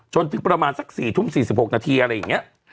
จนถึงประมาณสัก๔ทุ่ม๔๖นาทีอะไรอย่างนี้